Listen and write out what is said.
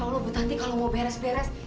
ya allah bu nanti kalau mau beres beres